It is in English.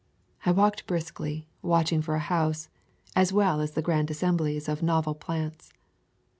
I walked briskly, watching for a house, as well as the grand assemblies of novel plants.